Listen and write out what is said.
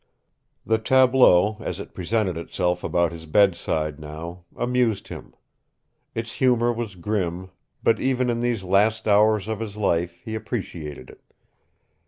The tableau, as it presented itself about his bedside now, amused him. Its humor was grim, but even in these last hours of his life he appreciated it.